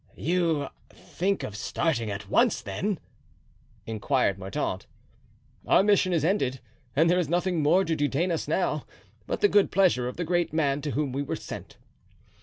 "You think of starting at once, then?" inquired Mordaunt. "Our mission is ended, and there is nothing more to detain us now but the good pleasure of the great man to whom we were sent."